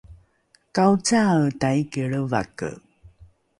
kaocae taiki lrevake